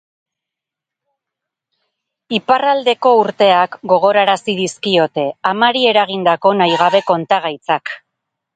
Iparraldeko urteak gogorarazi dizkiote, amari eragindako nahigabe kontagaitzak.